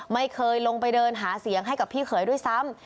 ไม่เคยลงไปเดินหาเสียงให้กับพี่เขยด้วยซ้ำ